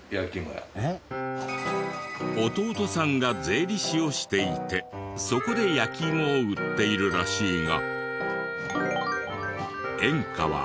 弟さんが税理士をしていてそこで焼きイモを売っているらしいが。